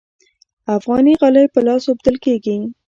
افغاني غالۍ په لاس اوبدل کیږي